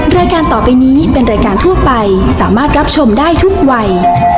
รายการต่อไปนี้เป็นรายการทั่วไปสามารถรับชมได้ทุกวัย